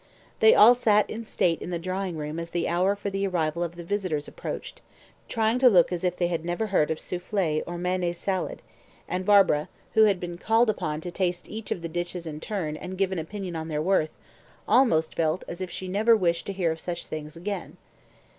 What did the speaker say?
They all sat in state in the drawing room as the hour for the arrival of the visitors approached, trying to look as if they had never heard of soufflet or mayonnaise salad, and Barbara, who had been called upon to taste each of the dishes in turn and give an opinion on their worth, almost felt as if she never wished to hear of such things again.